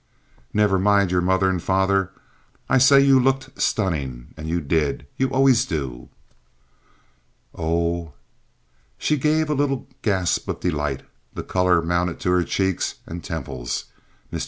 "Never mind your mother and father. I say you looked stunning, and you did. You always do." "Oh!" She gave a little gasp of delight. The color mounted to her cheeks and temples. Mr.